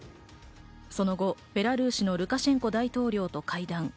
その後、ベラルーシのルカシェンコ大統領と会談。